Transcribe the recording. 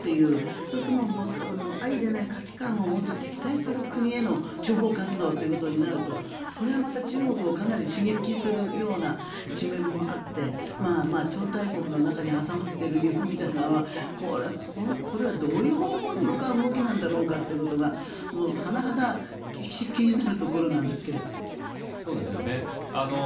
そうすると相いれない価値観を持つ敵対する国への諜報活動となるとそれまた中国をかなり刺激するような一面もあって超大国の中に挟まっている日本みたいなのはこれはどういう方向に向かう動きなんだろうかということが甚だ気になるところなんですが。